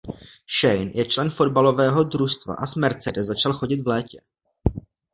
Shane je člen fotbalového družstva a s Mercedes začal chodit v létě.